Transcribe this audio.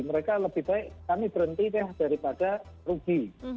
mereka lebih baik kami berhenti deh daripada rugi